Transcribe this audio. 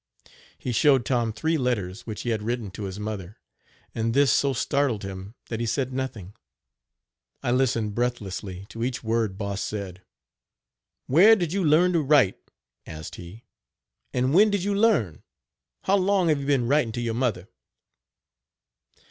He showed Tom three letters which he had written to his mother, and this so startled him that he said nothing. I listened breathlessly to each word Boss said: "Where did you learn to write?" asked he, "and when did you learn? How long have you been writing to your mother?